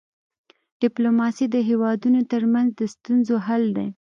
ډيپلوماسي د هيوادونو ترمنځ د ستونزو حل دی.